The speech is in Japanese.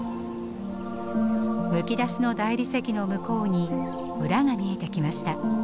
むき出しの大理石の向こうに村が見えてきました。